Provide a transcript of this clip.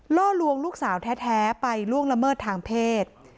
ล่อลวงลูกสาวแท้ไปล่วงละเมิดทางเพศ